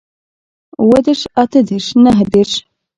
اووه دېرش اتۀ دېرش نهه دېرش